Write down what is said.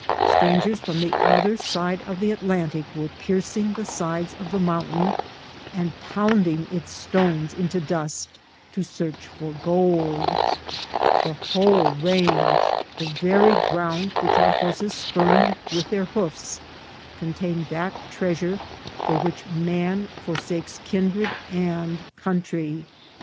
Strangers (ram the other side of the Atlantic were pier cing the sides of the mountain, and pounding its stones into dust to search for gold. The whole range, the very ground which our horses spurned with their hoofs, contained that treasure for which man forsakes kindred and country.